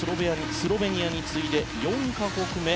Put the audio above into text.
スロベニアに続いて４か国目。